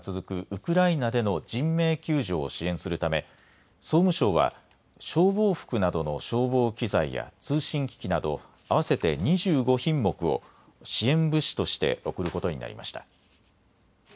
ウクライナでの人命救助を支援するため、総務省は消防服などの消防機材や通信機器など合わせて２５品目を支援物資として送ることになりました。